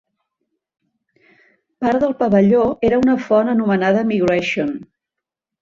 Part del pavelló era una font anomenada Migration.